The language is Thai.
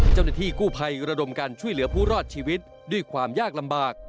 เจ้าหน้าที่กู้ภัยระดมการช่วยเหลือผู้รอดชีวิตด้วยความยากลำบาก